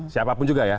siapapun juga ya